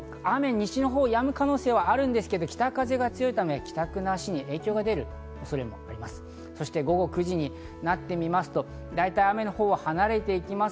西のほうはやむ可能性がありますが、北風が強いため帰宅の足に影響が出る恐れもあります。